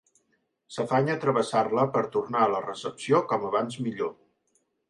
S'afanya a travessar-la per tornar a la recepció com abans millor.